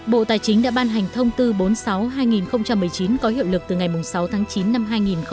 bộ tài chính đã ban hành thông tư bốn mươi sáu hai nghìn một mươi chín có hiệu lực từ ngày sáu tháng chín năm hai nghìn một mươi chín